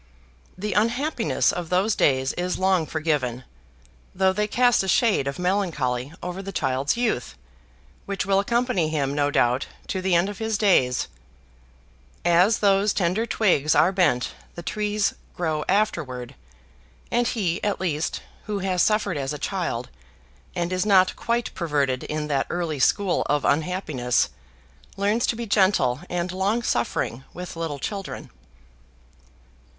The unhappiness of those days is long forgiven, though they cast a shade of melancholy over the child's youth, which will accompany him, no doubt, to the end of his days: as those tender twigs are bent the trees grow afterward; and he, at least, who has suffered as a child, and is not quite perverted in that early school of unhappiness, learns to be gentle and long suffering with little children.